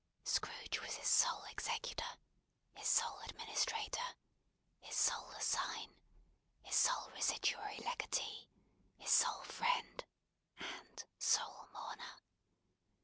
Scrooge was his sole executor, his sole administrator, his sole assign, his sole residuary legatee, his sole friend, and sole mourner.